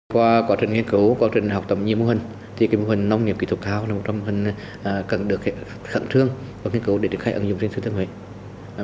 qua quá trình nghiên cứu quá trình học tầm nhiều mô hình thì mô hình nông nghiệp kỹ thuật cao là một trong mô hình cần được khẩn trương và nghiên cứu để được khai ứng dụng trên thừa thiên huế